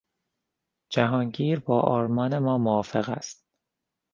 جهانگیر با آرمان ما موافق است.